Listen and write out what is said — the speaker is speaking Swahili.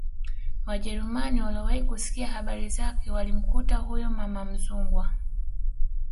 Wajerumani waliowahi kusikia habari zake walimkuta huyu mama Mzungwa